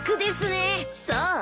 そう？